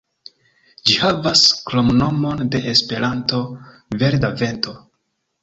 Ĝi havas kromnomon de Esperanto, "Verda Vento".